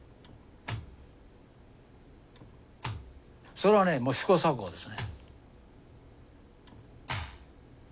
それはねもう試行錯誤ですね。